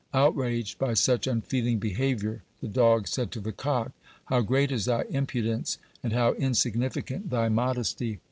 Outraged by such unfeeling behavior, the dog said to the cock: "How great is thy impudence, and how insignificant thy modesty!